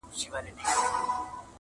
دواړي سترګي یې تړلي وې روان وو -